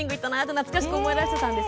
懐かしく思い出していました。